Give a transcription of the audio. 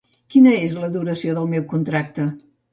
Quina és la duració del meu contracte?